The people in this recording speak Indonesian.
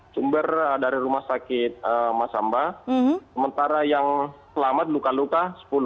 sumber dari rumah sakit masamba sementara yang selamat luka luka sepuluh